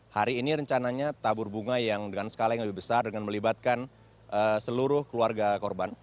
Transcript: hari ini rencananya tabur bunga yang dengan skala yang lebih besar dengan melibatkan seluruh keluarga korban